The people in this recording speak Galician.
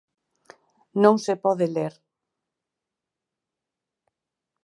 Non se pode ler.